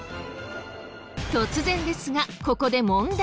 突然ですがここで問題。